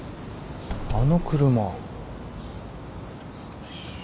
あの車。